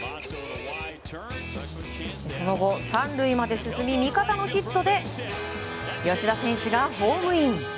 その後３塁まで進み味方のヒットで吉田選手がホームイン。